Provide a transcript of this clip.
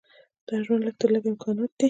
دا د ژوند لږ تر لږه امکانات دي.